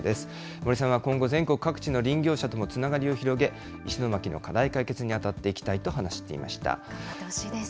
森さんは今後、全国各地の林業者ともつながりを広げ、石巻の課題解決に当たって頑張ってほしいです。